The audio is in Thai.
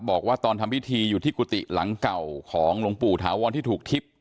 บอกว่าตอนทำพิธีอยู่ที่กุฏิหลังเก่าของหลวงปู่ถาวรที่ถูกทิพย์